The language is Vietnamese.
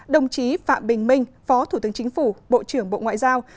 đồng chí phạm bình minh phó thủ tướng chính phủ bộ trưởng bộ ngoại giao